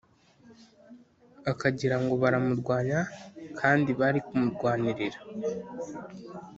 akagira ngo baramurwanya kandi bari kumurwanirira